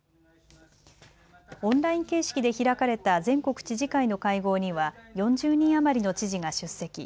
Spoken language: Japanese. オンライン形式で開かれた全国知事会の会合には４０人余りの知事が出席。